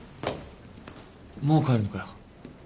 もう帰るのかよ。